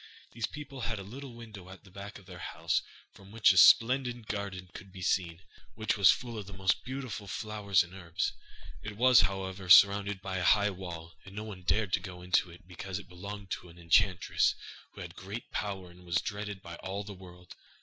These people had a little window at the back of their house from which a splendid garden could be seen, which was full of the most beautiful flowers and herbs. It was, however, surrounded by a high wall, and no one dared to go into it because it belonged to an enchantress, who had great power and was dreaded by all the world.